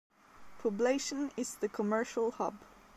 Poblacion is the commercial hub.